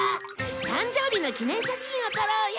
誕生日の記念写真を撮ろうよ！